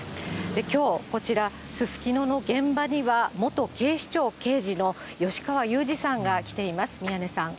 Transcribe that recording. きょう、こちら、すすきのの現場には、元警視庁刑事の吉川祐二さんが来ています。